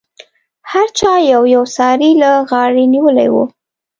هر چا یو یو څاری له غاړې نیولی و.